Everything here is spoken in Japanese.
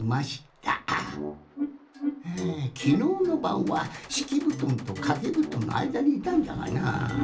はあきのうのばんはしきぶとんとかけぶとんのあいだにいたんだがなぁ。